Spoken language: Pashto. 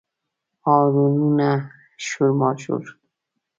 هارنونه، شور ماشور